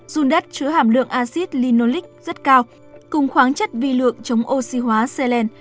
dung đất chữa hàm lượng acid linoleic rất cao cùng khoáng chất vi lượng chống oxy hóa selen